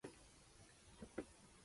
吸血鬼